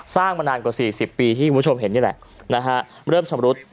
สร้างมานานกว่า๔๐ปีที่มุมชมเห็นนี่แหละเริ่มชำรุด